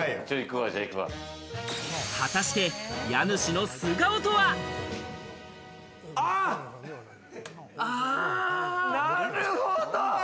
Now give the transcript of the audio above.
果たして家主の素顔とは？なるほど！